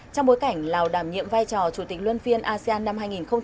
trong bối cảnh lào đảm nhiệm vai trò chủ tịch luân phiên asean năm hai nghìn hai mươi